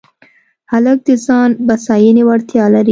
هلک د ځان بساینې وړتیا لري.